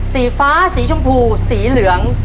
สีฟ้าสีชมพูสีเหลือง